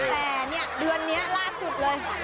แต่เนี่ยเดือนนี้ล่าสุดเลย